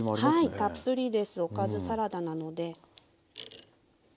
はいたっぷりですおかずサラダなので。